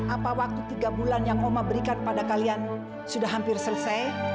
apa waktu tiga bulan yang oma berikan pada kalian sudah hampir selesai